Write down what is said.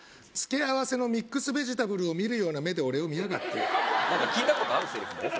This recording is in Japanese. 付け合わせのミックスベジタブルを見るような目で俺を見やがって何か聞いたことあるセリフだよ